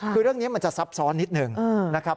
คือเรื่องนี้มันจะซับซ้อนนิดหนึ่งนะครับ